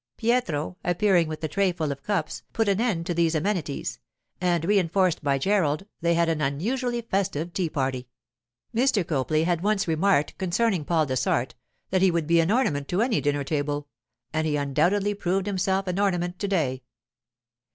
Pietro, appearing with a trayful of cups, put an end to these amenities; and, reinforced by Gerald, they had an unusually festive tea party. Mr. Copley had once remarked concerning Paul Dessart that he would be an ornament to any dinner table, and he undoubtedly proved himself an ornament to day.